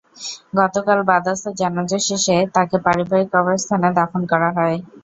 গতকাল বাদ আসর জানাজা শেষে তাঁকে পারিবারিক কবরস্থানে দাফন করা হয়।